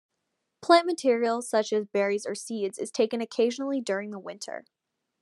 Plant material, such as berries or seeds, is taken occasionally during the winter.